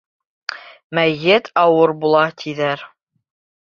Мәйет ауыр була, тиҙәр.